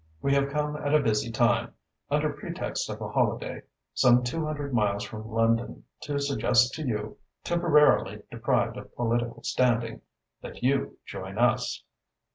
We have come at a busy time, under pretext of a holiday, some two hundred miles from London to suggest to you, temporarily deprived of political standing, that you join us."